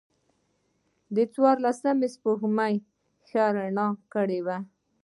د څوارلسمم سپوږمۍ ښه رڼا کړې وه.